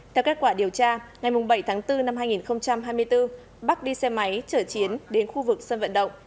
theo kết quả điều tra ngày bảy tháng bốn năm hai nghìn hai mươi bốn bắc đi xe máy chở chiến đến khu vực sân vận động